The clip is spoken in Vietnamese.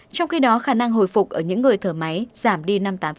trong khi đó khả năng hồi phục ở những người thở máy giảm đi năm mươi tám